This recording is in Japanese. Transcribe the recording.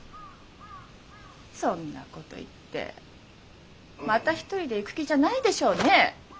そんなこと言ってまた一人で行く気じゃないでしょうね？